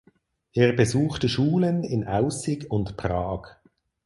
Er besuchte Schulen in Aussig und Prag.